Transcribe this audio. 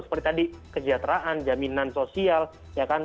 seperti tadi kesejahteraan jaminan sosial ya kan